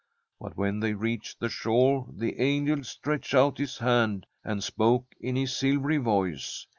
But when they reached the shore the angel stretched out his hand, and spoke in his silvery voice.